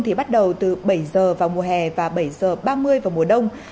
thì bắt đầu từ bảy h vào mùa hè và bảy h ba mươi vào mùa đông